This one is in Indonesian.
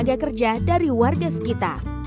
dan menjaga kerja dari warga sekitar